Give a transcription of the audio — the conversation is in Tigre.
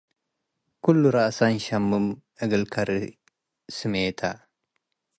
ክሉ ረአሰ እንሸምም እግል ከሪ ስሜተ፣